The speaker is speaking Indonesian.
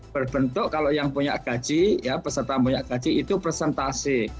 berbentuk kalau yang punya gaji ya peserta punya gaji itu presentasi